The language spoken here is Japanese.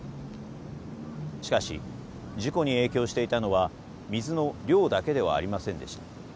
しかし事故に影響していたのは水の量だけではありませんでした。